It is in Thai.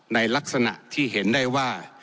ในลักษณะที่เห็นได้ว่า